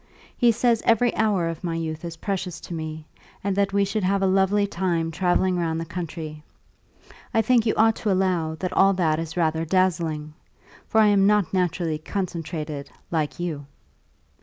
He says every hour of my youth is precious to me, and that we should have a lovely time travelling round the country. I think you ought to allow that all that is rather dazzling for I am not naturally concentrated, like you!"